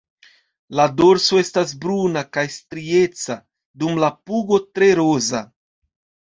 La dorso estas bruna kaj strieca, dum la pugo tre roza.